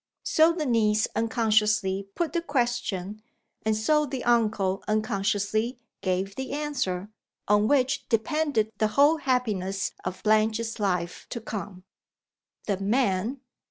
So the niece unconsciously put the question, and so the uncle unconsciously gave the answer on which depended the whole happiness of Blanche's life to come, The "man!"